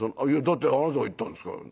だってあなたが言ったんですから。